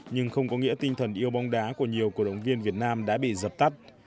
nhưng không có nghĩa tinh thần yêu bóng đá của nhiều cổ động viên việt nam đã bị dập tắt